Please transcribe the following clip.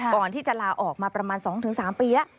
ก่อนที่จะลาออกมาประมาณ๒๓ปีแล้ว